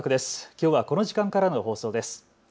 きょうはこの時間からの放送です。